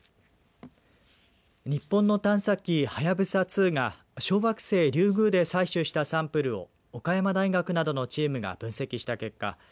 日本の探査機、はやぶさ２が小惑星リュウグウで採取したサンプルを岡山大学などのチームが分析した結果